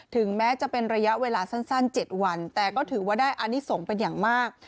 ถึงแม้จะเป็นระยะเวลาสั้น๗วันแต่ก็ถือว่าได้อนิสงฆ์เป็นอย่างมาก